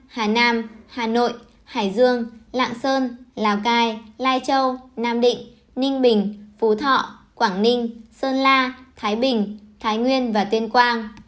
hà nam hà nội hải dương lạng sơn lào cai lai châu nam định ninh bình phú thọ quảng ninh sơn la thái bình thái nguyên và tuyên quang